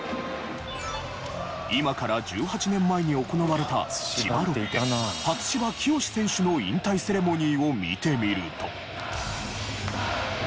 今から１８年前に行われた千葉ロッテ初芝清選手の引退セレモニーを見てみると。